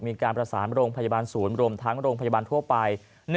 มีการประสานโรงพยาบาลศูนย์รวมทั้งโรงพยาบาลทั่วไป